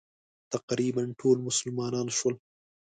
تقریباً ټول مسلمانان شول.